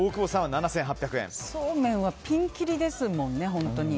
そうめんはピンキリですもんね、本当に。